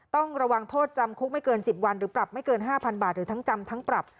ต้องระวังโทษจำคุกไม่เกิน๑๐วันหรือปรับไม่เกิน๕๐๐บาทหรือทั้งจำทั้งปรับ